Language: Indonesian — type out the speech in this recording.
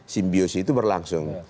simbiose itu berlangsung